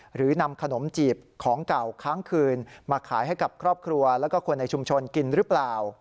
หรือนำขนมจีบของเก่าค้างคืนมาขายให้กับครอบครัวแล้วก็คนในชุมชนกินหรือเปล่า